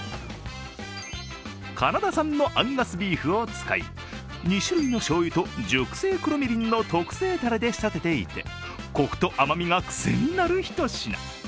カナダ産のアンガスビーフを使い、２種類のしょうゆと熟成黒みりんの特製たれで仕立てていてコクと甘みがくせになるひと品。